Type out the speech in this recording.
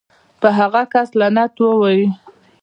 پۀ هغه کس لعنت اووائې